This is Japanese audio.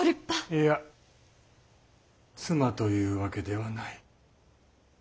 いや妻というわけではない。